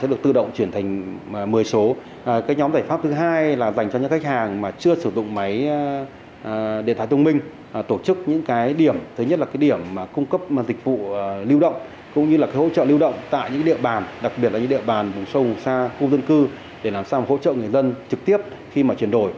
đặc biệt là những địa bàn sông xa khu dân cư để làm sao hỗ trợ người dân trực tiếp khi mà chuyển đổi